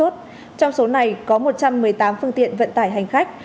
trong số này có một trăm một mươi tám phương tiện vận tải hành khách